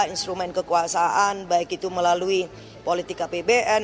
instrumen kekuasaan baik itu melalui politika pbn